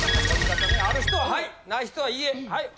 ある人ははいない人はいいえ。